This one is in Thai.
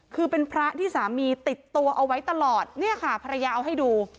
คือเป็นพระที่สามีติดตัวเอาไว้ตลอดเนี่ยค่ะภรรยาเอาให้ดู